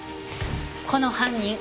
この犯人